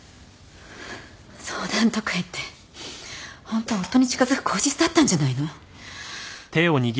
相談とか言ってホントは夫に近づく口実だったんじゃないの？